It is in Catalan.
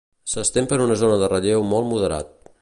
S'estén per una zona de relleu molt moderat.